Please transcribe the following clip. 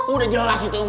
udah jelas itu emang